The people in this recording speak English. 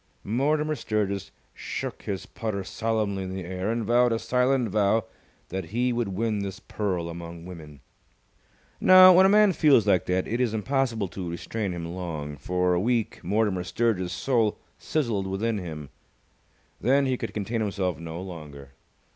Mortimer Sturgis shook his putter solemnly in the air, and vowed a silent vow that he would win this pearl among women. Now, when a man feels like that, it is impossible to restrain him long. For a week Mortimer Sturgis's soul sizzled within him: then he could contain himself no longer.